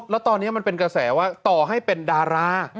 แล้วตอนนี้มันเป็นกระแสว่าต่อให้เป็นดารา